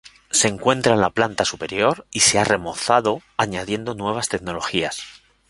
Se encuentra en la planta superior y se ha remozado añadiendo nuevas tecnologías.